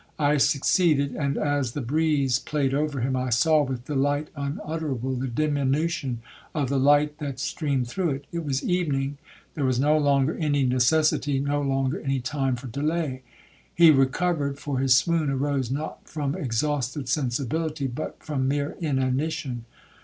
I succeeded, and, as the breeze played over him, I saw with delight unutterable the diminution of the light that streamed through it. It was evening,—there was no longer any necessity, no longer any time for delay. He recovered, for his swoon arose not from exhausted sensibility, but from mere inanition.